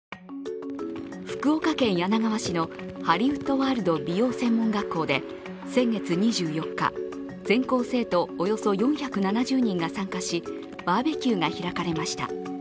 福岡県柳川市のハリウッドワールド美容専門学校で先月２４日、全校生徒およそ４７０人が参加しバーベキューが開かれました。